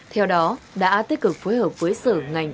theo đó đã tích cực phối hợp với sở ngành